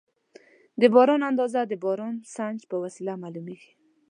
د باران اندازه د بارانسنج په وسیله معلومېږي.